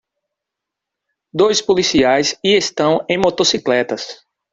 Dois policiais e estão em motocicletas.